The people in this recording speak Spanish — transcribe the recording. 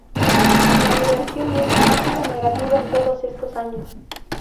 La migración neta ha sido negativa en todos estos años.